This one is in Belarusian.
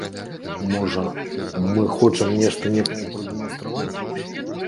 Можа, мы хочам нешта некаму прадэманстраваць?